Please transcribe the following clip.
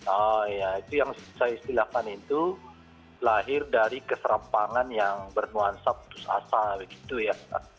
oh ya itu yang saya istilahkan itu lahir dari keserampangan yang bernuansa putus asa begitu ya